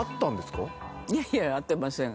いやいや会ってません。